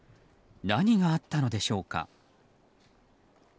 何があったのでしょうか。